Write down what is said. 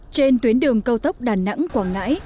trên tuyến đường cao tốc đà nẵng quảng ngãi